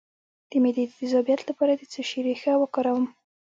د معدې د تیزابیت لپاره د څه شي ریښه وکاروم؟